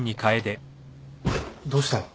どうしたの？